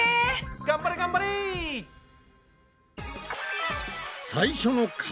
頑張れ頑張れ！基本！